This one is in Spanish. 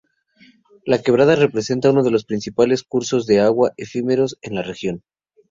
La quebrada representa uno de los principales cursos de agua efímeros en la región.